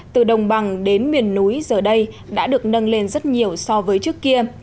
từ đồng bằng đến miền núi giờ đây đã được nâng lên rất nhiều so với trước kia